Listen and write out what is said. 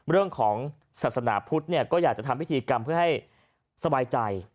เรื่องของศาสนาพุทธเนี่ยก็อยากจะทำพิธีกรรมเพื่อให้สบายใจ